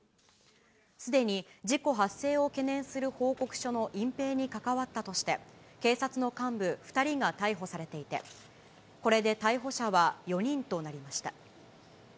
すでに事故発生を懸念する報告書の隠蔽に関わったとして、警察の幹部２人が逮捕されていて、これで逮捕者は４人となりました。